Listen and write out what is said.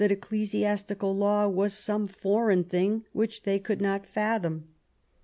ecclesiastical law was some foreign thing which they could not fathom.